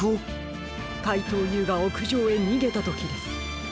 かいとうＵがおくじょうへにげたときです。